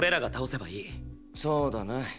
そうだな。